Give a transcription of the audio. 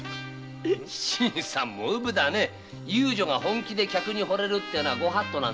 新さんもウブだね遊女が本気でほれるのはご法度なんですよ。